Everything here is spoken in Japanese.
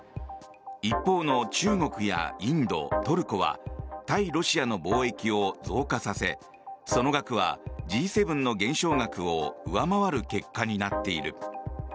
一方の中国やインド、トルコは対ロシアの貿易を増加させその額はＧ７の減少額を上回る結果になっている。